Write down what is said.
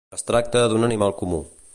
Es tracta d'un animal comú.